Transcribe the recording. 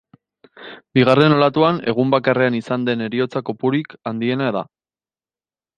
Bigarren olatuan, egun bakarrean izan den heriotza kopururik handiena da.